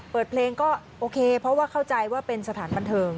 เปิดเพลงก็โอเคเพราะว่าเข้าใจว่าเป็นสถานบันเทิง